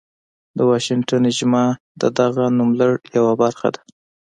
د واشنګټن اجماع د دغه نوملړ یوه برخه ده.